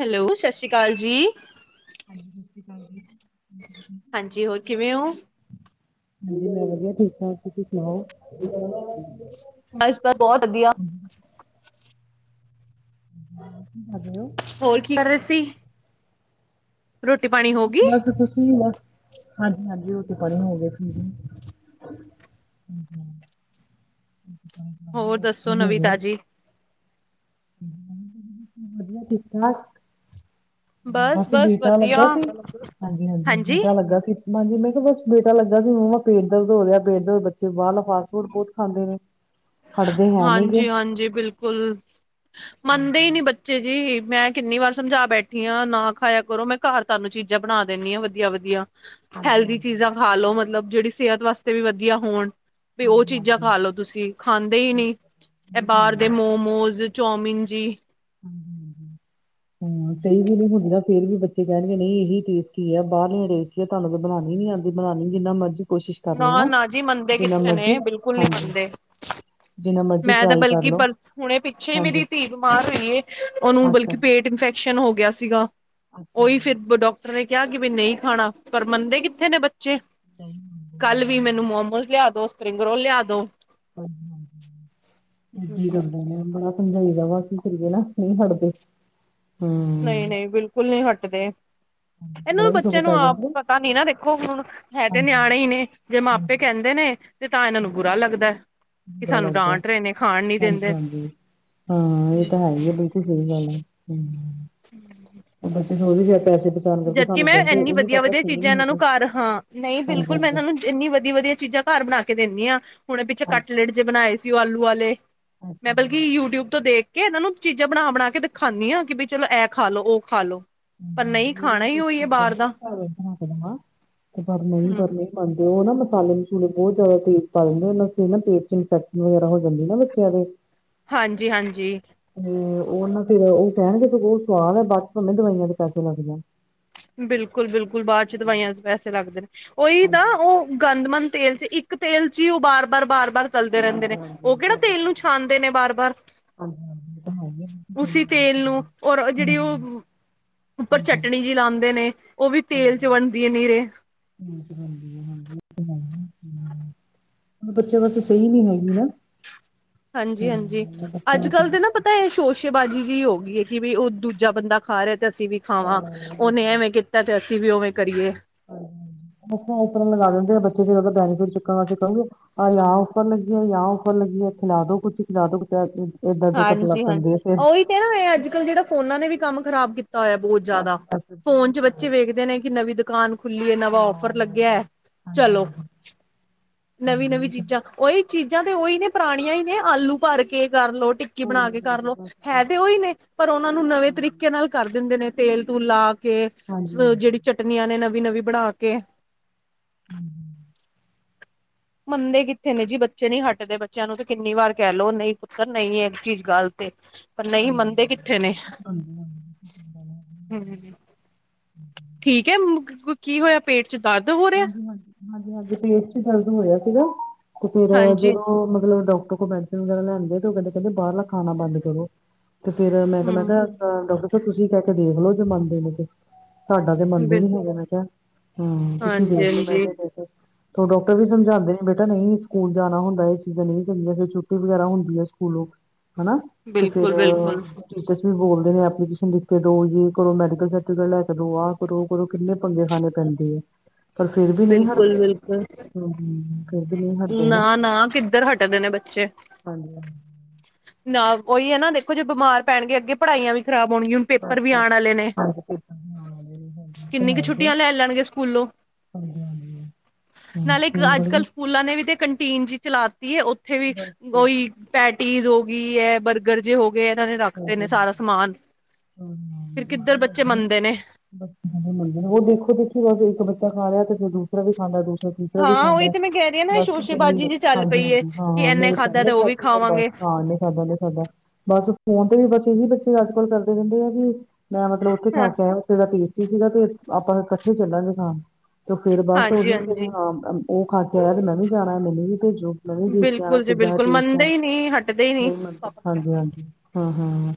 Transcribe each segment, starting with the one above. Hello, ਸਤਿ ਸ਼੍ਰੀ ਅਕਾਲ ਜੀ। ਹਾਂਜੀ, ਸਤਿ ਸ਼੍ਰੀ ਅਕਾਲ ਜੀ। ਹਾਂਜੀ, ਹੋਰ ਕਿਵੇਂ ਹੋ। ਹਾਂਜੀ, ਮੈਂ ਵਧੀਆ, ਠੀਕ-ਠਾਕ ਤੁਸੀਂ ਸੁਣਾਓ। ਬਸ ਬਸ, ਬਹੁਤ ਵਧੀਆ। ਹਾਂਜੀ, ਆਲੋ ਹੋਰ, ਕੀ ਕਰ ਰਹੇ ਸੀ। ਰੋਟੀ ਪਾਣੀ ਹੋ ਬ ਗਈ? ਬਸ ਕੁਛ ਨੀ, ਬਸ ਹਾਂਜੀ ਹਾਂਜੀ, ਰੋਟੀ- ਬਣੀ ਹੋਈ ਏ ਫੇਰ। ਹਾਂ ਹਾਂ, ਰੋਟੀ-ਪਾਣੀ ਖਾ ਲਿਆ ਹੋਰ ਬਸ ਦੱਸੋ ਫ੍ਰੀ ਨਵੀਂ ਹੋਗੇ। [unintelligible] ਤਾਜ਼ੀ। ਵਧੀਆ, ਠੀਕ-ਠਾਕ। ਬਸ, ਬੇਟਾ ਲੱਗਾ ਸੀ, ਹਾਂਜੀ ਹਾਂਜੀ, ਬੇਟਾ ਲੱਗਾ ਸੀ। ਹਾਂਜੀ, ਮੈਂ ਕਿਹਾ ਬਸ ਬੇਟਾ ਲੱਗਾ ਵੀ ਮੰਮਾ ਪੇਟ ਦਰਦ ਹੋ ਰਿਹਾ, ਪੇਟ ਦਰਦ। ਬੱਚੇ ਬਾਰਲਾ ਫਾਸਟ-ਫੂਡ ਬਹੁਤ ਖਾਂਦੇ ਨੇ। ਹੜਦੇ ਹੈ ਨੀ ਗੇ। ਹਾਂਜੀ ਹਾਂਜੀ ਬਿਲਕੁਲ, ਮੰਨਦੇ ਹੀ ਹਾਂਜੀ ਨੀ ਬੱਚੇ ਜੀ ਮੈਂ। ਕਿੰਨੀ ਵਾਰ ਸਮਝਾ ਬੈਠੀ ਆ ਨਾ ਖਾਇਆ ਕਰੋ ਮੈਂ ਘਰ ਤਾਨੂੰ ਚੀਜ਼ਾਂ ਬਣਾ ਦਿੰਨੀ ਆ ਵਧੀਆ ਵਧੀਆ। ਹਾਂਜੀ ਹੈਲਦੀ ਹਾਂਜੀ ਚੀਜ਼ਾਂ ਖਾ ਲੋ ਮਤਲਬ ਜਿਹੜੀ ਸਿਹਤ ਵਾਸਤੇ ਵੀ ਵਧੀਆ ਹੋਣ। ਵੀ ਉਹ ਹਾਂਜੀ ਚੀਜ਼ਾਂ ਹਾਂਜੀ। ਖਾ ਲੋੋ ਤੁਸੀਂ ਖਾਂਦੇ ਹੀ ਉਹ ਨਹੀਂ ਇਹ ਬਾਹਰ ਖਾਂਦੇ ਦੇ ਮੋ। ਮੋਮੋਸ ਚੌਮਨ ਜੀ। ਹਮ! ਕਈ ਵੀ ਨੀ ਹੁੰਦੀ ਨਾ ਫੇਰ ਵੀ ਬੱਚੇ ਕਹਿਣਗੇ ਨਹੀਂ ਇਹੀ ਟੇਸਟੀ ਆ ਬਾਹਰਲੇ ਟੇਸਟੀ ਤੁਹਾਨੂੰ ਬਣਾਉਣੀ ਨੀ ਆਉਂਦੀ। ਬਣਾਣੀ ਜਿੰਨਾ ਮਰਜੀ ਕੋਸ਼ਿਸ਼ ਕਰ ਲੋ ਨਾ ਹਨਾ ਨਾ ਜੀ ਮੰਨਦੇ ਜਿੰਨਾ ਕਿੱਥੇ ਮਰਜੀ ਨੇ ਬਿਲਕੁਲ ਨਹੀਂ ਹਾਂਜੀ। ਮੰਨਦੇ ਜਿੰਨਾ ਮਰਜ਼ੀ ਮੈਂ ਤਾਂ ਟਰਾਈ ਕਰ ਬਲਕਿ ਲੋ ਬਲ ਹੁਣੇ ਪਿੱਛੇ ਹੀ ਹਾਂਜੀ ਮੇਰੀ ਧੀ। ਬਿਮਾਰ ਹੋਈਏ ਉਹਨੂੰ ਅੱਛਾ ਬਲਕਿ ਜੀ ਪੇਟ ਇਨਫੈਕਸ਼ਨ ਹੋ ਗਿਆ ਸੀਗਾ ਅੱਛਾ ਉਹੀ ਜੀ ਫਿਰ ਡਾਕ। ਡਾਟਰ ਨੇ ਕਿਹਾ ਕਿ ਵੀ ਨਹੀਂ ਖਾਣਾ ਪਰ ਮੰਨਦੇ ਕਿੱਥੇ ਨੇ ਬੱਚੇ। ਨਹੀਂ ਹੁੰਦੇ ਕੱਲ ਵੀ ਮੈਨੂੰ ਮੋਮੋਸ ਲਿਆ ਦੋ ਸਪਰਿੰਗ ਰੋਲ ਲਿਆ ਦੋ। ਹਾਂਜੀ ਹਾਂ ਏਦ ਕਰਦਾਦਾ। ਸਮਝਾਈਦਾ ਵਾਕ ਕਰਏ ਨਾ ਨਹੀਂ ਹ‌ ੜਦੇ। ਨਹੀਂ- ਨਹੀਂ ਬਿਲਕੁਲ ਨਹੀਂ ਹਟਦੇ। ਇਹਨਾਂ ਗਲਾ ਨੂੰ ਵੀ ਸਗੋਂ ਬੱਚਿਆਂ ਨੂੰ ਪੈ ਆਪ ਜਾਂਦਾ ਪਤਾ ਨੀ ਨਾ ਦੇਖੋ ਹੁਣ ਹੈ ਤੇ ਹਾਂਜੀ ਨਿਆਣੇ ਹੀ ਨੇ। ਜੇ ਮਾਪੇ, ਹਾਂਜੀ ਕਹਿੰਦੇ ਨੇ ਤੇ ਤਾਂ ਇਹਨਾਂ ਨੂੰ ਬੁਰਾ ਲੱਗਦਾ। ਕਿ ਚੰਗਾ ਸਾਨੂੰ ਲੱਗਦਾ ਡਾਂਟ ਰਹੇ ਨੇ ਖਾਣ ਨੀ ਹਾਂਜੀ, ਦਿੰਦੇ ਹਾਂਜੀ ਹਾਂ ਇਹ ਤਾਂ ਹੈ ਹੀ ਆ ਬਿਲਕੁਲ ਸਹੀ ਗੱਲ ਏ। ਹਮ ਹਮ ਬੱਚੇ ਸੋਚਦੇ ਸੀ ਪੈਸੇ। ਬਚਾਉਣ ਕਰਕੇ ਜਦਕਿ ਸਾਨੂੰ ਮੈਂ ਕਹਿੰਦੇ ਇੰਨੀ ਇਹ ਨੀ ਵਧੀਆ ਪਤਾ -ਵਧੀਆ ਸਹੀ ਚੀਜ਼ਾਂ ਨੀ ਇਹਨਾਂ ਨੂੰ ਹੈਗੇ। ਘਰ ਹਾਂ ਨਹੀਂ, ਹਾਂਜੀ ਬਿਲਕੁਲ ਮੈਂ ਹਾਂਜੀ। ਇਹਨਾਂ ਨੂੰ। ਇੰਨੀ ਵਧੀਆ -ਵਧੀਆ ਚੀਜ਼ਾਂ ਘਰ ਬਣਾ ਕੇ ਦਿੰਦੀ ਆਾਂ ਹੁਣ ਪਿੱਛੇ ਹਾਂਜੀ ਕਟਲੇਟ ਜੇ ਬਣਾਏ ਸੀ ਉਹ ਆਲੂ ਆਲੇ। ਮੈਂ ਬਲਕਿ ਯੂਟਿਊਬ ਤੋਂ ਦੇਖ। ਕਿ ਇਹਨਾਂ ਨੂੰ ਚੀਜ਼ਾਂ ਬਣਾ -ਬਣਾ ਕੇ ਦਿ ਖਾਂਦੀ ਹਾਂ ਕਿ ਬ ਚਲੋ ਇਹ ਖਾ ਲ ਲੋ ਉਹ ਖਾ ਲੋ ਪਰ ਹਾਂਜੀ ਨਹੀਂ। ਮੇਰੀ ਖਾਣਾ ਵੀ ਹੀ ਉਹੀ ਕੋਸ਼ਿਸ਼ ਹੈ ਮ ਬਾਹਰ ਦਾ ਜਾਂਦੀ ਘਰ ਇਧਰ ਕ ਦੇਵਾਂ ਤੇ ਪਰ ਨਹੀਂ ਹਮ ਪਰ, ਮੰਨਦੇ ਉਹ ਨਾ ਮਸਾਲੇ -ਮਸੂਲੇ ਬਹੁਤ ਜ਼ਿਆਦਾ ਤੇਜ਼ ਪਾ ਦਿੰਦੇ ਉਹ ਨਾ ਪੇਟ ਚ ਇਨਫੈਕਸ਼ਨ ਵਗੈਰਾ ਹੋ ਜਾਂਦੀ ਨਾ ਬੱਚਿਆਂ ਦੇ। ਹ ਹਾਂਜੀ -ਹਾਂਜੀ ਤੇ ਉਹ ਨਾ ਫੇਰ ਉਹ ਕਹਿਣਗੇ ਤ ਸਵਾਦ ਹੈ ਬਾਅਦ ਭਾਵੇਂ ਦਵਾਈਆਂ ਚ ਪੈਸੇ ਲੱਗ ਜਾਣ। ਬਿਲਕੁਲ- ਬਿਲਕੁਲ ਬਾਅਦ ਚ ਦਵਾਈਆਂ ਚ ਪੈਸੇ ਲੱਗਦੇ ਨੇ ਉਹੀ ਨਾ ਹਾਂਜੀ ਉਹ। ਗੰਦਮੰਦ ਤੇਲ ਚ ਇੱਕ ਤੇਲ ਚ ਹੀ ਉਹ ਬਾਰ- ਬਾਰ- ਬਾਰ -ਬਾਰ, ਚਲਦੇ ਰਹਿੰਦੇ ਹਾਂਜੀ ਨੇ ਉਹ ਹਾਂਜੀ ਕਿਹੜਾ ਤੁਹਾਨੂੰ ਪਤਾ ਤੇਲ ਹੀ ਨੂੰ ਹੈ। ਛਾਣਦੇ ਨੇ ਬਾਰ- ਬਾਰ। ਹਾਂਜੀ ਹਾਂਜੀ ਇਹ ਤਾਂ ਹੈ ਹੀ ਹੈ ਬਿਲਕੁਲ ਸਹੀ ਉਸੀ ਗੱਲ ਹੈ ਤੇਲ ਨੂੰ ਤੁਹਾਡੀ। ਔਰ ਜਿਹੜੀ ਹਾਂਜੀ ਉਹ ਉੱਪਰ ਚਟਣੀ। ਲਾਉਂਦੇ ਨੇ ਉਹ ਵੀ ਤੇਲ ਚ ਬਣਦੀ ਹੈ ਨੀਰੇ। ਚਲਾਦੀ ਆ ਹਾਂਜੀ। ਹੁ ਬੱਚਾ ਬਸ ਸਹੀ ਨੀ ਹੈਗੀ ਨਾ। ਹਾਂਜੀ -ਹਾਂਜੀ ਅੱਛਾ ਅੱਜ ਕੱਲ ਦੇ ਨਾ ਬਚ। ਤਾਂ ਇਹ ਸ਼ੋਸ਼ੇਬਾਜ਼ੀ ਜਿਹੀ ਹੋ ਗਈ ਏ ਕਿ ਵੀ ਉਹ ਦੂਜਾ ਬੰਦਾ ਖਾ ਰਿਹਾ ਤੇ ਅਸੀਂ ਵੀ। ਖਾਵਾਂ ਉਹਨੇ ਐਵੇਂ ਕੀਤਾ ਤੇ ਅਸੀਂ ਵੀ ਉਵੇਂ ਕਰੀਏ। ਇਸ ਤਰ੍ਹਾਂ ਲਗਾ ਦਿੰਦੇ ਆ ਬੱਚੇ ਫ ਉਹ ਬੈ ਫ ਚਣ ਵਸੀ ਕਹਿਣਗੇ। ਆ ਯਹ ਉਫਰ ਲਗੀ ਹੈ ਯਹ ਔਫਰ ਲੱਗੀ ਹੈ ਖਿਲਾ ਦੋ ਕੁਛ ਹੀ ਖਿਲਾ ਦੋ। ਏਦਾਂ ਦ ਕਰਢ ਲੱਗ ਹਾਂਜੀ ਹਾਂਜੀ ਪੈਂਦੀ ਆ ਫੇਰ। ਉਹੀ ਅੱਜ ਕੱਲ੍ਹ ਜਿਹੜਾ ਫੋਨਾਂ ਨੇ ਵੀ ਕੰਮ ਖਰਾਬ ਕੀਤਾ ਹੋਇਆ ਬਹੁਤ ਬਸ ਜ਼ਿਆਦਾ। ਬਸ ਫੋਨ ਚ ਬਹੁਤ ਬੱਚੇ ਵੇਖਦੇ ਨੇ ਕਿ ਨਵੀਂ ਦੁਕਾਨ ਖੁੱਲੀ ਏ ਨਵਾਂ ਔਫਰ ਹਾਂ ਨਵੇਂ ਲੱਗਿਆ ਏ। ਜਮਾਨੇ ਹਾਂਜੀ ਚਲੋ ਨਵੀਂ -ਨਵੀਂ ਹਾਂਜੀ ਚੀਜ਼ਾਂ, ਓਹੀ ਚੀਜ਼ਾਂ ਤੇ ਉਹੀ ਨੇ ਪੁਰਾਣੀਆਂ ਹੀ ਨੇ ਆਲੂ ਭਰ ਕੇ ਕਰ ਲੋ। ਟਿੱਕੀ ਬਣਾ ਹਾਂਜੀ ਕੇ ਕਰ ਹਾਂਜੀ ਲੋ ਬਸ ਹੈ ਬਸ ਤੇ ਉਹੀ ਨੇ ਪਰ ਉਹਨਾਂ ਨੂੰ ਨਵੇਂ ਹਾਂਜੀ ਤਰੀਕੇ ਨਾਲ। ਕਰ ਦਿੰਦੇ ਨੇ। ਤੇਲ-ਤੂਲ ਲਾਕੇ ਹਾਂਜੀ ਹਾਂਜੀ ਜਿਹੜੀ ਚਟਨੀਆਂ ਨੇ ਨਵੀਂ-ਨਵੀਂ ਬਣਾਕੇ। ਹੂੰ ਮੰਨਦੇ ਕਿੱਥੇ ਨੇ ਜੀ ਬੱਚੇ ਨਹੀ ਹੱਟਦੇ, ਬੱਚਿਆਂ ਨੂੰ ਤੇ ਕਿੰਨੀ ਵਾਰ ਕਹਿ ਲਓ, ਨਹੀਂ ਪੁੱਤਰ ਨਹੀਂ, ਇੱਹ ਚੀਜ਼ ਗੱਲਤ ਏ। ਪਰ ਨਹੀਂ ਮੰਨਦੇ ਕਿੱਥੇ ਨੇ ਹਾਂਜੀ-ਹਾਂਜੀ ਹਾਂ ਹੂੰ [inaudible] ਠੀਕ ਹੈ ਕੀ ਹੋਇਆ, ਪੇਟ'ਚ ਦਰਦ ਹੋ ਰਿਹਾ? ਹਾਂਜੀ-ਹਾਂਜੀ, ਪੇਟ'ਚ ਦਰਦ ਹੋ ਰਿਹਾ ਆ ਸੀਗਾ, ਤੇ ਫਿਰ ਹਾਂਜੀ ਜਦੋਂ ਮਤਲਬ ਡੌਕਟਰ ਕੋਲ ਬੈ ਵਗੈਰਾ ਲੈਦੇ, ਤੇ ਉਹ ਕਹਿੰਦੇ, ਕਹਿੰਦੇ ਬਾਹਰਲਾ ਖਾਣਾ ਬੰਦ ਕਰੋ, ਤੇ ਫੇਰ ਮੈਂ ਕਿਹਾ, ਮੈਂ ਕਿਹਾ ਹੂੰ ਡਾਕਟਰ ਤੁਸੀਂ ਕਹਿਕੇ ਦੇਖਲੋ, ਜੇ ਮੰਨਦੇ ਨੇ ਤੇ ਸਾਡਾ ਤਾ ਮੰਨਦੇ ਬਿਲ ਨੀ ਹੈਗੇ, ਮੈ ਕਿਹਾ, ਹਾਂ। ਤੁਸੀਂ ਹਾਂਜੀ ਦੇਖਲੋ ਹਾਂਜੀ ਕੇ ਲੈਕੇ, ਹੁਨ ਡਾਕਟਰ ਵੀ ਸਮਝਾਂਦੇ ਨੇ। ਬੇਟਾ ਨਹੀਂ, ਸਕੂਲ ਜਾਣਾ ਹੁੰਦਾ, ਇਹ ਚੀਜ਼ਾਂ ਨਹੀਂ ਚੰਗੀਆ ਫਿਰ ਛੁੱਟੀ ਵਗੈਰਾ ਹੁੰਦੀ ਹੈ, ਸਕੂਲੋਂ ਹਨਾ, ਤੇ ਫਿਰ ਬਿਲਕੁਲ ਬਿਲਕੁਲ ਟੀਚਰਸ ਵੀ ਬੋਲਦੇ ਨੇ, ਐਪਲੀਕੇਸ਼ਨ ਲਿਖਕੇ ਦੋ, ਯੇ ਕਰੋ ਮੈਡੀਕਲ ਸਰਟੀਫਿਕੇਟ ਲੈਕੇ ਦੋ, ਆਹ ਕਰੋ। ਉਦੋਂ ਕਿੰਨੇ ਪੰਗੇ ਖਾਨੇ ਪੈਂਦੇ ਆ। ਪਰ ਫਿਰ ਵੀ ਨਹੀਂ ਬਿਲਕੁਲ ਹਟਦੇ, ਬਿਲਕੁਲ ਹੂੰ, ਫਿਰ ਵੀ ਨਹੀਂ ਹਟਦੇ ਹਨਾ। ਨਾ ਨਾ ਕਿੱਧਰ ਹਟਦੇ ਨੇ ਬੱਚੇ ਹਾਂਜੀ-ਹਾਂਜੀ। ਨਾ, ਉਹੀ ਹੈ ਨਾ, ਦੇਖੋ ਜੇ ਬਮਾਰ ਪੈਣਗੇ ਅੱਗੇ, ਪੜ੍ਹਾਈਆਂ ਵੀ ਖਰਾਬ ਹੋਣਗੀਆਂ। ਪੇਪਰ ਬਸ ਵੀ ਆਣ ਬਸ ਵਾਲੇ ਨੇ, ਹਾਂਜੀ ਪੇਪਰ ਹੋਣ ਵਾਲੇ ਨੇ ਹਾਂਜੀ ਕਿੰਨੀ ਕੁ ਛੁੱਟੀਆਂ ਲੈ ਲੈਣਗੇ ਸਕੂਲੋਂ। ਹਾਂਜੀ-ਹਾਂਜੀ। ਨਾਲੇ ਇੱਕ ਅੱਜ-ਕੱਲ ਸਕੂਲਾਂ ਨੇ ਵੀ ਤੇ, ਕੰਟੀਨ ਜੀ ਚਲਾਤੀ ਹੈ, ਉੱਥੇ ਵੀ ਬਸ ਬਸ ਓਹੀ ਪੈਟੀਜ਼ ਹੋ ਗਈ, ਐ, ਬਰਗ ਗਰਜੇ ਹੋ ਗਏ, ਇਹਨਾਂ ਨੇ ਰੱਖਤੇ ਨੇ ਹਾਂਜੀ ਸਾਰਾ ਹਾਂਜੀ ਸਮਾਨ। ਹਮ ਫਿਰ ਕਿੱਧਰ ਬੱਚੇ ਮੰਨਦੇ ਨੇ। ਬੱਚ ਕਿੱਥੇ ਮੰਨਦੇ ਨੇ, ਦੇਖੋ-ਦੇਖੀ ਰ ਇੱਕ ਬੱਚਾ ਖਾ ਰਿਹਾ, ਤੇ ਫਿਰ ਦੂਸਰਾ ਵੀ ਖਾਂਦਾ ਏ ਦ ਫਿਰ ਤੀਸਰਾ ਵੀ ਹਾਂ ਖਾਂਦਾ ਉਹੀ ਏ, ਤੇ ਮੈਂ ਕਹਿ ਰਹੀ ਹਾਂ ਨਾ ਬਸ, ਮੇਰੀ ਸ਼ੋਸ਼ੇਬਾਜ਼ੀ ਜੀ ਚੱਲ ਪਈ ਏ ਹਾਂਜੀ-ਹਾਂਜੀ, ਕਿ ਹਾਂ, ਇੰਨੇ ਮੇਰੀ ਭੈਣ ਖਾਧਾ ਨੇ ਤੇ ਉਹ ਵੀ ਖਾਤੀ ਹੈ, ਬਸ। ਖਾਵਾਂਗੇ ਹਾਂ, ਨਹੀਂ ਖਾਦਾ ਤੇ ਖਾਦਾ। ਬਸ ਫੋਨ ਤੇ ਵੀ, ਬਸ ਇਹੀ ਬੱਚੇ ਅੱਜ-ਕੱਲ ਕਰਦੇ ਰਹਿੰਦੇ ਆ ਵੀ, ਮੈਂ ਮਤਲਬ ਉੱਥੇ ਹਾਂ ਖਾਕੇ ਆਂਇਆ, ਉਥੇ ਦਾ ਟੇਸ ਠੀਕ ਸੀਗਾ ਤੇ, ਆਪਾਂ ਇਕੱਠੇ ਚੱਲਾਂਗੇ ਖਾਣ ਤੇ, ਫੇਰ ਬਸ ਹਾਂਜੀ ਉਹੀ ਫਿਰ ਹਾਂਜੀ ਹਾਂ ਉਹ ਖਾਕੇ ਆਇਆ, ਤੇ ਮੈਂ ਵੀ ਜਾਣਾ। ਮੈਨੂੰ ਵੀ ਭੇਜੋ। ਮੈ ਵੀ ਦੇਖਿਆ ਵਾ ਬਿਲਕੁਲ ਜੀ ਕਿਦਾਂ ਦਾ ਬਿਲਕੁਲ ਟੇਸਟ ਮੰਨਦੇ ਹੀ ਨਹੀਂ ਹਟਦੇ ਹੀ ਐ, ਨਹੀਂ [unintelligible] ਹਾਂਜੀ-ਹਾਂਜੀ। ਹਾ, ਹਾਂ,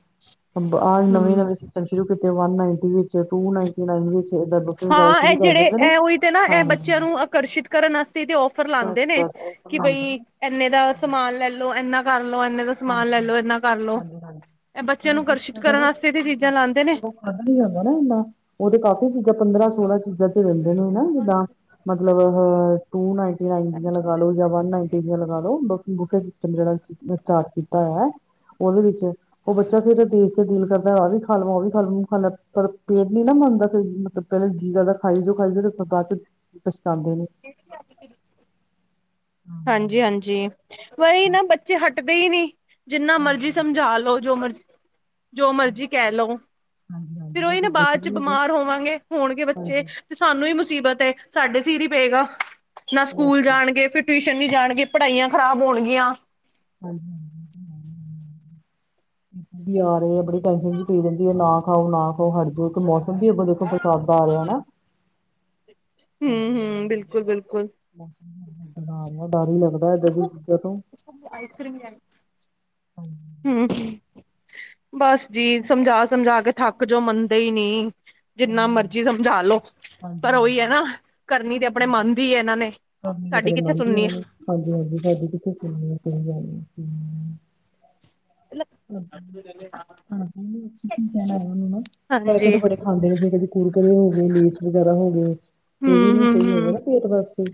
ਹਾਂ, ਆ ਹਮ ਨਵੇਂ-ਨਵੇਂ ਸਿਸਟਮ ਸ਼ੁਰੂ ਕੀਤੇ, ਵਨ-ਨਾਂਈਟੀ ਵਿੱਚ, ਟੂ-ਨਾਂਈਨਟੀ-ਨਾਈਨ ਵਿੱਚ ਏਦਾਂ ਬਫੇ ਵਗੈਰਾ ਹਾਂ, ਐ ਸ਼ੁਰੂ ਕਰ ਜਿਹੜੇ ਦਿੰਦੇ ਨੇ ਐ ਉਹੀ ਤੇ ਨਾ, ਐ ਹਾਂ ਬੱਚਿਆਂ ਨੂੰ ਆਕਰਸ਼ੀਤ ਕਰਨ ਵਾਸਤੇ ਤੇ ਇਹ ਔਫਰ ਬਸ ਲਾਂਦੇ ਨੇ। ਬਸ ਉਹ ਕੀ ਬਣਾਉਂਦੇ ਬਈ ਨੇ ਇੰਨੇ ਦਾ ਸਮਾਨ ਲੈਲੋ, ਇੰਨਾ ਕਰਲੋ, ਇਨੇ ਦਾ ਸਮਾਨ ਹਾਂਜੀ-ਹਾਂਜੀ, ਲੈਲੋ, ਐਨਾ ਕਰਲੋ, ਹਾਂਜੀ-ਹਾਂਜੀ ਇਹ ਬੱਚਿਆਂ ਨੂੰ ਮਤਲਬ ਆਕਰਸ਼ੀਤ ਕਰਨ ਵਾਸਤੇ ਤੇ ਚੀਜ਼ਾਂ ਲਾਂਦੇ ਨੇ। ਪਤਾ ਨੀ ਲੱਗਦਾ ਨਾ ਇੱਨਾਂ, ਉਹ ਤੇ ਕਾਫ਼ੀ ਚੀਜ਼ਾਂ ਪੰਦਰਾਂ-ਸੋਲਾਂ ਚੀਜ਼ਾਂ ਤੇ ਰੈਂਦੇ ਨੇ, ਹਨਾ ਜਿੱਦਾਂ ਮਤਲਬ, ਅਹ, ਟੂ ਨਾਂਈਟੀ-ਨਾਈਨ ਦੀਆਂ ਲਗਾਲੋ, ਯਾਂ ਵਨ ਨਾਂਈਟੀ ਦੀਆਂ ਲਗਾਲੋ। ਬੂਕੇ ਸਿਸਟਮ ਜਿਹੜਾ ਸਟਾਰਟ ਕੀਤਾ ਹੋਇਆ, ਉਹਦੇ ਵਿੱਚ ਉਹ ਬੱਚਾ ਫੇਰ ਦੇਖਕੇ ਦਿਲ ਕਰਦਾ, ਆਹ ਵੀ ਖਾ ਲਵਾ, ਉਹ ਵੀ ਖਾਵ ਖ ਪਰ ਪੇਟ ਨੀ ਨਾ ਮੰਨਦਾ, ਫਿਰ ਮਤਲਬ ਪਹਿਲੇ ਜੀ ਕਰਦਾ ਖਾਈਜੋ, ਖਾਈ ਜਾਓ ਫਿਰ ਬਾਅਦ'ਚੋ ਪਛਤਾਂਦੇ ਨੇ। ਹਾਂਜੀ-ਹਾਂਜੀ, ਵਹੀਂ ਨਾ ਬੱਚੇ ਹੱਟ ਦੇਈ ਨੀ, ਜਿੰਨਾ ਮਰਜੀ ਸਮਝਾ ਲੋੋ, ਜੋ ਮਰਜ਼ੀ ਜੋ ਮਰਜੀ ਕਹਿ ਲਓ, ਫਿਰ ਹਾਂਜੀ-ਹਾਂਜੀ ਇਹ ਉਹੀ ਨਾ ਚੀਜ਼ਾਂ ਸਹੀ ਬਾਅਦ'ਚ ਨੇ ਬਿਮਾਰ ਹੋਵਾਂਗੇ, ਹੋਣਗੇ ਹਾਂਜੀ ਬੱਚੇ ਸਾਨੂੰ ਹੀ ਮੁਸੀਬਤ ਏ, ਸਾਡੇ ਸੀਰ ਹੀ ਪਏਗਾ, ਨਾ ਬਸ ਸਕੂਲ ਜਾਣਗੇ ਫਿਰ ਟਿਊਸ਼ਨ ਨੀ ਜਾਣਗੇ, ਪੜ੍ਹਾਈਆਂ ਖਰਾਬ ਹੋਣਗੀਆਂ। ਹਾਂਜੀ, ਹ ਵੀ ਯਾਰ ਆ ਬੜੇ ਟੈਨਸ਼ਨ ਵੀ ਪੀ ਰਹਿੰਦੀ ਹੈ, ਨਾ ਖਾਓ, ਨਾ ਖਾਓ, ਹਟਜੋ, ੲਕ ਮੌਸਮ ਵੀ ਅ ਦੇਖੋ, ਬਰਸਾਤ ਦਾ ਆ ਰਿਹਾ ਹਨਾ। ਹੂੰ, ਹੂੰ, ਬਿਲਕੁਲ, ਬਿਲਕੁਲ। ਹਾ ਡਰ ਹੀ ਲੱਗਦਾ ਏਦਾਂ ਦੀ ਚੀਜ਼ਾਂ ਤੋਂ। ਆਈਸਕ੍ਰੀਮ ਲੈਣ ਹਾਂਜੀ! ਹੂੰ, ਬਸ ਜੀ ਸਮਝਾ-ਸਮਝਾਕੇ ਥੱਕਜੋ, ਮੰਨਦੇ ਹੀ ਨਹੀਂ। ਜਿੰਨਾ ਨਹੀਂ ਮਰਜ਼ੀ ਮੰਨਦੇ। ਸਮਝਾਲੋੋ। ਪਰ ਹਾਂਜੀ ਹਾਂਜੀ ਉਹੀ ਹੈ ਨਾ, ਕਰਨੀ ਤੇ ਆਪਣੇ ਹਾਂਜੀ ਮਨ ਦੀ ਹੈ ਇਹਨਾਂ ਨੇ, ਕਰਨੀ ਸਾਡੀ ਆਪਣੇ ਕਿੱਥੇ ਮਨ ਦੀ ਸੁਣਨੀ ਆ। ਉਹਨਾਂ ਨੇ ਹਾਂਜੀ, ਹਾਂਜੀ! ਸਾਡੀ ਕਿਥੇ ਸੁਣਣੀ ਐ ਸਹੀ ਗੱਲ ਐ ਹਮ ਹੈ। ਹਾਂਜੀ ਤੇ ਤੁਸੀਂ ਕੀ ਕਹਿਣਾ ਹੈ ਓਹਦੇ ਨਾਲ? ਪੈਕਟ ਹਾਂਜੀ, ਬੜੇ। ਖਾਂਦੇ ਫੇਰ ਕਦੇ ਕੁਰਕਰੇ ਹੋ ਗਏ ਲੇਸ ਵਗੈਰਾ ਹੋ ਗਏ ਇਹ ਵੀ ਨੀ ਸਹੀ ਹੈਗੇ ਹੂੰ-ਹੂੰ-ਹੂੰ ਨਾ ਪੇਟ ਵਾਸਤੇ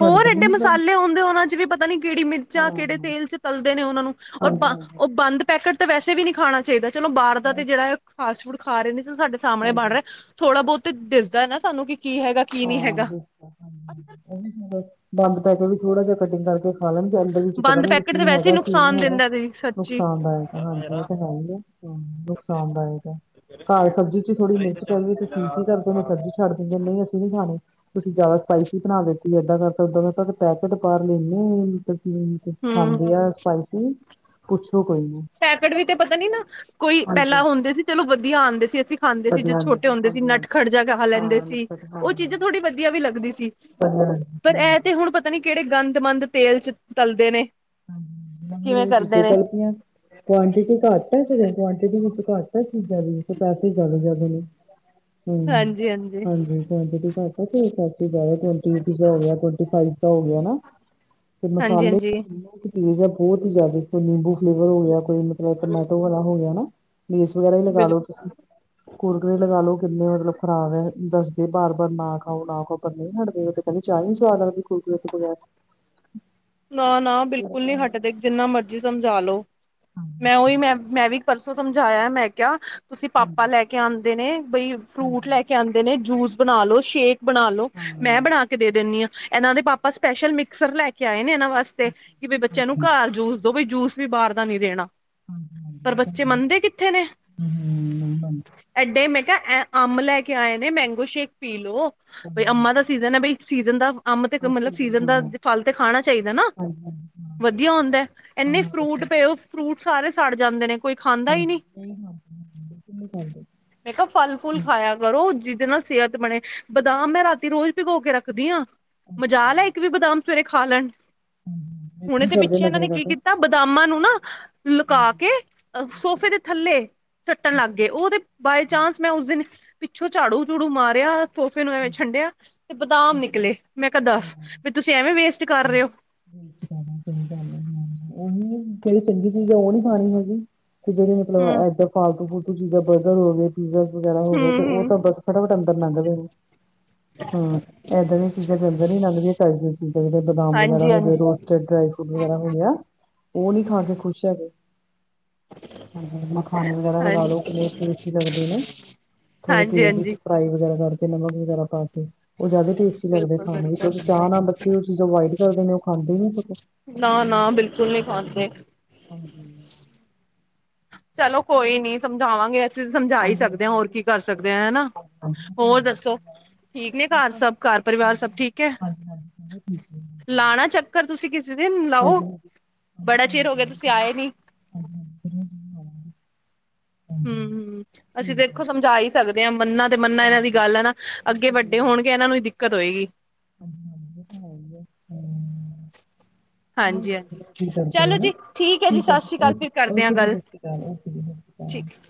ਹੋਰ ਹਟਦੇ ਹੀ ਏਡੇ ਨੀ ਪਰ ਮਸਾਲੇ ਹੁੰਦੇ ਉਹਨਾਂ ਚ ਵੀ ਪਤ ਪਤਾ ਨੀ ਕਿਹੜੀ ਮਿਰਚਾਂ ਹਾਂ ਕਿਹੜੇ ਹਾਂ ਤੇਲ ਚ ਤਲਦੇ ਨੇ ਉਹਨਾਂ ਨੂੰ ਔਰ ਹਾਂਜੀ ਬਂ ਹਾਂਜੀ ਔਰ ਬੰਦ ਪੈਕੇਟ ਤਾਂ ਵੈਸੇ ਵੀ ਨੀ ਖਾਣਾ ਚਾਹੀਦਾ ਚਲੋ ਬਾਹਰ ਦਾ ਤੇ ਨਹੀਂ, ਜਿਹੜਾ ਐ ਫਾਸਟ ਫੂਡ ਖਾ ਰਹੇ ਨੇ ਚਲ ਸਾਡੇ ਸਾਹਮਣੇ ਹਾਂਜੀ ਬਣ ਰਿਹਾ ਥੋੜਾ ਬਹੁਤ ਦਿਸਦਾ ਹੈ ਨਾ ਸਾਨੂੰ ਕਿ ਕੀ ਹੈਗਾ ਕੀ ਨੀ ਹਾਂ ਹੈਗਾ। ਬਿਲਕੁਲ ਅੱਜ ਕੱਲ [inaudible] ਬੰਦ ਪੈ ਕੇ ਵੀ ਥੋੜਾ ਜਿਹਾ ਕਟਿੰਗ ਕਰਕੇ ਫਾਲਮ ਜਾਨਵਲ ਵਿੱਚ ਪਤਾ ਬੰਦ ਨੀ ਹ ਪੈਕੇਟ ਤੇ ਕੀ ਵੈਸੇ ਹੀ ਹੈਗਾ ਕੀ ਨਹੀਂ ਨੁਕਸਾਨ ਹੈਗਾ ਦਿੰਦਾ ਜੀ ਸੱਚੀ ਨੁਕਸਾਨਦਾਇਕ ਐ ਹਾਂਜੀ ਇਹ ਤਾਂ ਹੈ ਹੀ ਹੈ ਹਮ ਨੁਕਸਾਨਦਾਇਕ ਹੈ ਘਰ ਸਬਜ਼ੀ ਚ ਥੋੜੀ ਮਿਰਚ ਪੈਵੇ ਤੇ ਸੀ ਸੀ ਕਰਦੇ ਨੇਂ ਸਬਜ਼ੀ ਚ ਛੱਡ ਦਿੰਦੇ ਨੇ ਨਹੀਂ ਅਸੀਂ ਨੀ ਖਾਣੀ ਤੁਸੀਂ ਜਿਆਦਾ ਸਪਾਈਸੀ ਬਣਾ ਦਿੱਤੀ ਏਦਾਂ ਕਰਤਾ ਓਦਾ ਕਰਤਾ ਤੇ ਪੈਕੇਟ ਬਾਹਰ ਲੈ ਹਮ ਖਾਂਦੇ ਆ ਹੂੰ ਸਪਾਈਸੀ ਪੁੱਛੋ ਕੋਈ ਨੀ ਪੈਕਟ ਵੀ ਤੇ ਪਤਾ ਨੀ ਨਾ ਕੋਈ ਪਹਿਲਾਂ ਹਾਂਜੀ ਹੁੰਦੇ ਸੀ ਚਲੋ ਵਧੀਆ ਆਉਂਦੇ ਸੀ ਅਸੀਂ ਖਾਂਦੇ ਸੀ ਜਦੋਂ ਵਧੀਆ ਹਾਂਜੀ ਛੋਟੇ ਹੁੰਦੇ ਸੀ ਹਾਂਜੀ ਹਾਂਜੀ ਨਟਖਟ ਜਾ ਖਾ ਲੈਂਦੇ ਹਾਂ ਸੀ ਨੁਕਸਰ ਹਾਂ ਉਹ ਹਾਂ ਚੀਜ਼ਾਂ ਥੋੜੀ ਵਧੀਆ ਵੀ ਲੱਗਦੀ ਸੀ ਪਰ ਇਹ ਤੇ ਹੁਣ [inaudible] ਪਤਾ ਨੀ ਕਿਹੜੇ ਗੰਦਮੰਦ ਤੇਲ ਚ ਤਲਦੇ ਨੇ ਕਿਵੇਂ ਹਮ ਕਰਦੇ ਨੇ [inaudible] ਕੁਆਂਟਿਟੀ ਘੱਟ ਹੈ ਜਦੋਂ ਕੁਆਂਟਿਟੀ ਵਿੱਚ ਘੱਟ ਹੈ ਚੀਜ਼ਾਂ ਦੀ ਤੇ ਪੈਸੇ ਜ਼ਿਆਦਾ ਜ਼ਿਆਦਾ ਨੇ ਹਮ ਹਾਂਜੀ ਕੁਆਂਟਿਟੀ ਘੱਟ ਆ ਤੇ ਪੈਸੇ ਜ਼ਿਆਦਾ ਕੁਆਂਟਿਟੀ ਜ਼ਿਆਦਾ ਤੇ [unintelligible] ਫਾਈਦਾ ਹੋ ਗਿਆ ਨਾ ਤੇ ਹਾਂਜੀ ਮਸਾਲੇ ਹਾਂਜੀ ਬਹੁਤ ਚੀਜ਼ ਆ ਬਹੁਤ ਹੀ ਜ਼ਿਆਦਾ ਕੋਈ ਨਿੰਬੂ ਫਲੇਵਰ ਹੋ ਗਿਆ ਕੋਈ ਮਤਲਬ ਟਮਾਟੋ ਵਾਲਾ ਹੋ ਗਿਆ ਨਾ ਲੇਸ ਵਗੈਰਾ ਹੀ ਲਗਾ ਲੋ ਬਿਲਕੁਲ ਤੁਸੀਂ ਕੁਰਕਰੇ ਲਗਾ ਲੋ ਕਿੰਨੇ ਮਤਲਬ ਖ਼ਰਾਬ ਹੈ ਦੱਸਦੇ ਬਾਰ ਬਾਰ ਨਾ ਖਾਓ ਨਾ ਖਾਓ ਪਰ ਨਹੀਂ ਹਟਦੇ ਇਹ ਕਹਿੰਦੇ ਚਾ [unintelligible] ਨਾ ਨਾ ਬਿਲਕੁਲ ਨਹੀਂ ਹਟਦੇ ਜਿੰਨਾ ਮਰਜ਼ੀ ਸਮਝਾ ਲੋਓ ਹਾਂਜੀ ਮੈਂ ਉਹੀ ਮੈਂ ਮੈਂ ਵੀ ਪਰਸੋਂ ਸਮਝਾਇਆ ਮੈਂ ਕਿਹਾ ਤੁਸੀਂ ਹਾਂਜੀ ਪਾਪਾ ਲੈ ਕੇ ਆਉਂਦੇ ਨੇ ਬਈ ਫਰੂਟ ਹਾਂਜੀ, ਲੈ ਕੇ ਆਉਂਦੇ ਨੇ ਜੂਸ ਬਣਾ ਲੋ ਸ਼ੇਕ ਬਣਾ ਲੋ ਮੈਂ ਹਾਂ, ਬਣਾ ਕੇ ਦੇ ਦਿੰਦੀ ਆਂ ਇਹਨਾਂ ਦੇ ਪਾਪਾ ਸਪੈਸ਼ਲ ਮਿਕਸਰ ਲੈ ਕੇ ਆਏ ਨੇ ਇਹਨਾਂ ਵਾਸਤੇ ਅੱਛਾ ਕਿ ਜੀ, ਬਈ ਬੱਚਿਆਂ ਨੂੰ ਹਾਂਜੀ, ਘਰ ਜੂਸ ਦੋ ਬਈ ਜੂਸ ਵੀ ਬਾਹਰ ਦਾ ਨੀ ਦੇਣਾ ਹਾਂਜੀ, ਪਰ ਹਾਂਜੀ, ਇਹ ਤਾਂ ਬੱਚੇ ਹੈ। ਮੰਨਦੇ ਕਿੱਥੇ ਨੇ ਹੂੰ, ਹੂੰ, ਹਾਂਜੀ, ਹਾਂਜੀ, ਐਡੇ ਮੈਂ ਕਿਹਾ ਐ ਅੰਬ ਲੈ ਕੇ ਆਏ ਨੇ ਮੈਂਗੋ ਸ਼ੇਕ ਪੀ ਲਓ ਅੱਛਾ ਬਈ ਜੀ, ਅੰਮਾ ਦਾ ਸੀਜ਼ਨ ਹੈ ਬਈ ਸੀਜ਼ਨ ਦਾ ਅੰਬ ਤੇ ਹਾਂ, ਮਤਲਬ ਹਾਂਜੀ, ਸੀਜਨ ਦਾ ਫਲ ਤੇ ਖਾਣਾ ਚਾਹੀਦਾ ਨਾ- ਹਾਂਜੀ, ਹਾਂ। ਵਧੀਆ ਹੁੰਦਾ ਇੰਨੇ ਹਾਂ, ਫਰੂਟ ਅੱਛਾ, ਪਏਓ ਫਰੂਟ ਸਾਰੇ ਸੜ ਜਾਂਦੇ ਨੇ ਕੋਈ ਖਾਂਦਾ ਹੀ ਹਾਂਜੀ ਨਹੀਂ ਸਹੀ ਗੱਲ ਐ ਫਰੂਟ ਨੀਂ ਖਾਂਦੇ ਮੈਂ ਕਿਹਾ ਫਲ ਫੁੱਲ ਖਾਇਆ ਕਰੋ ਜਿਹਦੇ ਨਾਲ ਸਿਹਤ ਬਣੇ ਬਦਾਮ ਮੈਂ ਰਾਤੀ ਰੋਜ਼ ਭੀਗੌ ਕੇ ਰੱਖਦੀ ਹਾਂ ਮਜ਼ਾਲ ਐ ਇੱਕ ਵੀ ਬਦਾਮ ਸਵੇਰੇ ਖਾ ਲੈਣ ਹੁਣੇ ਕੀ ਤੇ ਕਰਦੇ ਪਿੱਛੇ ਇਹਨਾਂ ਨਖਰੇ ਨੇ ਕੀ ਕਰਦੇ? ਕੀਤਾ ਬਦਾਮਾਂ ਨੂੰ ਨਾ ਲੁਕਾ ਹਾਂਜੀ, ਕੇ ਅ ਸੋਫੇ ਦੇ ਥੱਲੇ ਸੱਟਣ ਲੱਗ ਗਏ ਉਹਦੇ ਬਾਏ ਚਾਂਸ ਮੈਂ ਉਸ ਦਿਨ ਪਿੱਛੋਂ ਝਾੜੂ ਝੂੜੂ ਮਾਰਿਆ ਸੋਫੇ ਨੂੰ ਐਵੇਂ ਹਾਂਜੀ, ਛੰਡਿਆ ਤੇ ਬਦਾਮ ਅੱਛਾ, ਨਿਕਲੇ ਮੈਂ ਕਿਹਾ ਦੱਸ ਹਾਂ। ਵੀ ਤੁਸੀਂ ਐਵੇਂ ਵੇਸਟ ਕਰ ਰਹੇ ਹੋ [unintelligible] ਉਹੀ ਜਿਹੜੀ ਚੰਗੀ ਚੀਜ਼ ਆ ਉਹ ਨੀ ਖਾਣੀ ਹੈਗੀ। ਤੇ ਜਿਹੜੇ ਮਤਲਬ ਹਮ ਏਦਾਂ ਫਾਲਤੂ ਫੂਲਤੂ ਚੀਜ਼ਾਂ ਬਰਗਰ ਹੋਗੇ ਪੀਜ਼ਾ ਵਗੈਰਾ ਹੋ ਗਏ ਤੇ ਹਮ ਉਹ ਹਮ ਤਾਂ ਬਸ ਫਟਾਫਟ ਅੰਦਰ ਨੰਗ ਦੇਨੇ ਹਾਂ ਏਦਾਂ ਦੀਆਂ ਚੀਜ਼ਾਂ ਅੰਦਰ ਨੀ ਲੰਘ ਦਿਆਂ ਚਜ ਦੀਆਂ ਚੀਜ਼ਾਂ ਜਿਹੜੇ ਬਦਾਮ ਵਗੈਰਾ ਹਾਂਜੀ ਹੋਗੇ ਹਾਂਜੀ ਰੋਸਟਡ ਡਰਾਈ ਫਰੂਟ ਵਗੈਰਾ ਹੋ ਗਿਆ ਉਹ ਨੀ ਖਾ ਕੇ ਖੁਸ਼ ਹੈਗੇ ਹਾਂਜੀ ਮਖਾਣੇ ਵਗੈਰਾ ਲਗਾ ਹਾਂਜੀ ਲੋ ਕਿੰਨੇ ਟਸਟੀ ਲੱਗਦੇ ਨੇ ਥੋੜੇ ਹਾਂਜੀ ਤੇਲ ਵਿੱਚ ਹਾਂਜੀ ਫਰਾਈ ਵਗੈਰਾ ਕਰਕੇ ਨਮਕ ਵਗੈਰਾ ਪਾ ਕੇ ਉਹ ਜ਼ਿਆਦਾ ਟੇਸਟੀ ਲੱਗਦੇ ਬਿਲਕੁਲ ਖਾਣ ਵਿੱਚ ਉਹ ਬਿਲਕੁਲ ਚਾਹ ਨਾਲ ਉਹ ਚੀਜ਼ ਅਵਾਇਡ ਕਰਦੇ ਨੇ ਉਹ ਖਾਂਦੇ ਨੀ ਸਕ ਨਾ ਨਾ ਬਿਲਕੁਲ ਨਹੀਂ ਖਾਂਦੇ ਹਾਂਜੀ ਚਲੋ ਕੋਈ ਨੀ ਸਮਝਾਵਾਂਗੇ ਅਸੀਂ ਸਮਝਾ ਹੀ ਸਕਦੇ ਹਾਂਜੀ ਹਾਂ ਹੋਰ ਬਿਲਕੁਲ ਕੀ ਕਰ ਬਿਲਕੁਲ ਸਹੀ ਸਕਦੇ ਗੱਲ ਹ ਹਨਾ ਹੈ। ਹਾਂਜੀ ਇਹ ਤਾਂ ਹੈ ਹੋਰ ਹੀ ਦੱਸੋ ਹੁੰਦਾ ਹੈ। ਠੀਕ ਨੇ ਘਰ ਸਭ ਘਰ ਪਰਿਵਾਰ ਹਾਂਜੀ ਸਭ ਹਾਂਜੀ, ਠੀਕ ਹੈ ਹਾਂਜੀ, ਹਾਂਜੀ, ਚਲੋ ਠੀਕ ਲਾਣਾ ਚੱਕਰ ਤੁਸੀਂ ਕਿਸੇ ਦਿਨ ਹੈ। ਲਾਓ ਹਾਂਜੀ ਹਾਂਜੀ ਹਾਂਜੀ ਬੜਾ ਕੋਈ ਚਿਰ ਨੀ ਹੋ ਗਿਆ। ਕੋਈ ਨੀ ਤੁਸੀਂ ਜ਼ਰੂਰ। ਆਏ ਨੀ [unintelligible] ਹਮ, ਹਾਂਜੀ ਹਮ ਅਸੀਂ ਠੀਕ ਹੈ। ਦੇਖੋ ਸਮਝਾ ਹੀ ਸਕਦੇ ਹਾਂ ਮੰਨਾ ਤੇ ਮੰਨਾ ਬਸ ਇਹਨਾਂ ਦੀ ਗੱਲ ਹੈ ਨਾ, ਅੱਗੇ ਬਿਲਕੁਲ ਸਹੀ ਵੱਡੇ ਗੱਲ ਹੈ। ਹੋਣਗੇ ਇਹਨਾਂ ਨੂੰ ਹੀ ਦਿੱਕਤ ਹੋਏਗੀ। ਹਾਂਜੀ, ਹਾਂਜੀ ਇਹ ਤਾਂ ਹੈ ਹੀ ਆ ਹਮ ਚਲੋ ਹਾਂਜੀ ਵੇਖਦੇ ਹਾਂਜੀ ਆਂ ਕੀ ਕਰਦੇ ਆ ਚਲੋ ਹਨਾ, ਜੀ ਠੀਕ ਹੈ ਜੀ ਸਤਿ ਸ੍ਰੀ ਅਕਾਲ ਫਿਰ ਕਰਦੇ ਹਾਂ ਓਕੇ ਜੀ ਗੱਲ ਸਤਿ ਸ਼੍ਰੀ ਅਕਾਲ। ਠੀਕ ਹੈ।